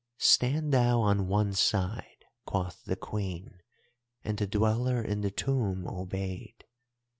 "'Stand thou on one side,' quoth the Queen, and the Dweller in the Tomb obeyed.